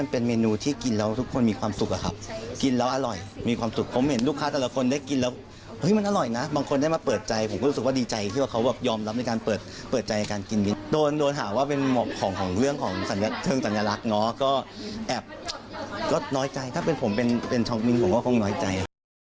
เป็นการเปิดใจการกินมิ้นโดนหาว่าเป็นเหมาะของของเรื่องของเชิงสัญลักษณ์เนาะก็แอบก็น้อยใจถ้าเป็นผมเป็นช่องมิ้นของก็คงน้อยใจ